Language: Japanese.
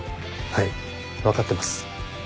はい分かってます。